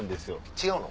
違うの？